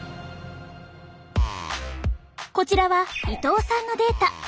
こちらは伊藤さんのデータ。